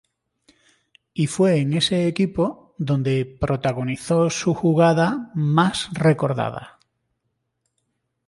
Y fue en ese equipo donde protagonizó su jugada más recordada.